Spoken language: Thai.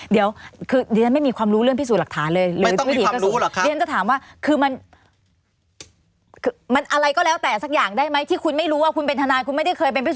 เดี๋ยวคือดิฮันไม่มีความรู้เรื่องพิสูจน์หลักฐานเลย